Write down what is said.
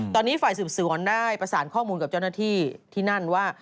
ตอนนี้ฝ่ายสืบสวนได้ประสานข้อมูลกับเจ้าหน้าที่ที่นั่นว่า